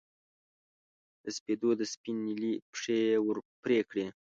د سپېدو د سپین نیلي پښې یې ور پرې کړې